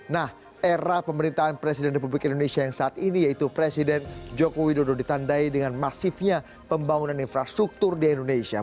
nah era pemerintahan presiden republik indonesia yang saat ini yaitu presiden joko widodo ditandai dengan masifnya pembangunan infrastruktur di indonesia